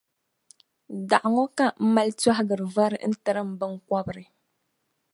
Daɣu ŋɔ ka m mali tɔhigiri vari n-tiri m biŋkɔbri.